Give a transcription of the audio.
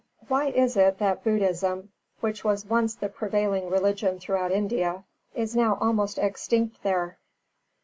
Why is it that Buddhism, which was once the prevailing religion throughout India, is now almost extinct there?